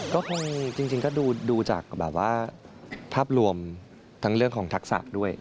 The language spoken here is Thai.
ก็คงจริงก็ดูจากแบบว่าภาพรวมทั้งเรื่องของทักษะด้วย